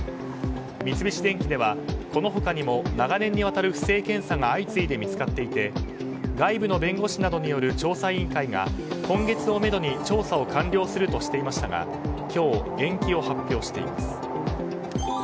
三菱電機ではこの他にも長年にわたる不正検査が相次いで見つかっていて外部の弁護士などによる調査委員会が今月をめどに調査を完了するとしていましたが今日、延期を発表しています。